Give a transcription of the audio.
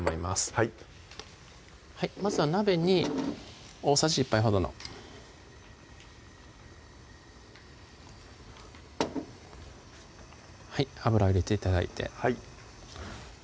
はいまずは鍋に大さじ１杯ほどの油を入れて頂いてはい